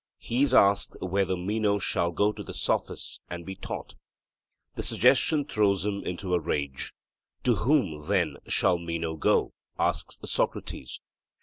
He is asked 'whether Meno shall go to the Sophists and be taught.' The suggestion throws him into a rage. 'To whom, then, shall Meno go?' asks Socrates.